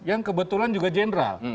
yang kebetulan juga general